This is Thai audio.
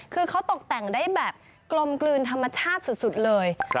คือเขาตกแต่งได้แบบกลมกลืนธรรมชาติสุดเลย